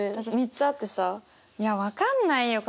３つあってさ「いや分かんないよ